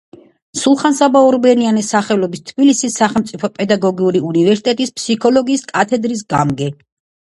სულხან-საბა ორბელიანის სახელობის თბილისის სახელმწიფო პედაგოგიური უნივერსიტეტის ფსიქოლოგიის კათედრის გამგე.